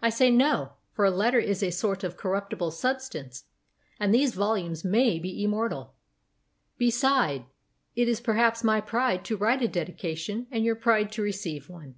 I say no; for a letter is a sort of corruptible substance, and these volumes may be IMMORTAL. Beside, it is perhaps my pride to write a dedication and your pride to receive one.